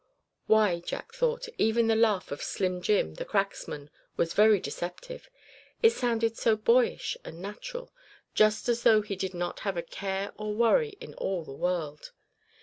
Why, Jack thought, even the laugh of Slim Jim, the cracksman, was very deceptive, it sounded so boyish and natural; just as though he did not have a care or a worry in all the world.